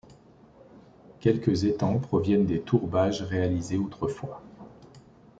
Quelques étangs proviennent des tourbages réalisés autrefois.